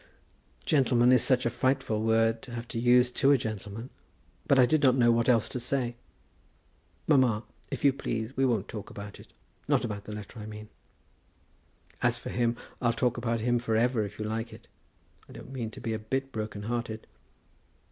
"Gentleman is such a frightful word to have to use to a gentleman; but I did not know what else to say. Mamma, if you please, we won't talk about it; not about the letter I mean. As for him, I'll talk about him for ever if you like it. I don't mean to be a bit broken hearted."